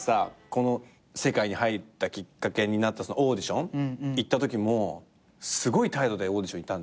この世界に入ったきっかけになったオーディション行ったときもすごい態度でオーディション行ったんだよね？